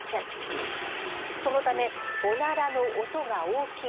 そのためオナラの音が大きい